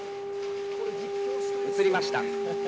映りました。